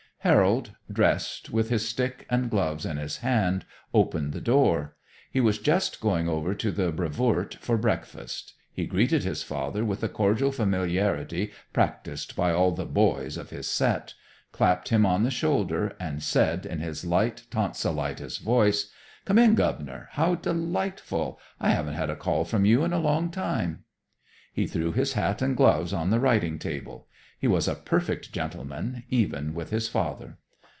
Harold, dressed, with his stick and gloves in his hand, opened the door. He was just going over to the Brevoort for breakfast. He greeted his father with the cordial familiarity practised by all the "boys" of his set, clapped him on the shoulder and said in his light, tonsilitis voice: "Come in, Governor, how delightful! I haven't had a call from you in a long time." He threw his hat and gloves on the writing table. He was a perfect gentleman, even with his father.